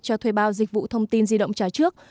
cho thuê bao dịch vụ thông tin di động trả trước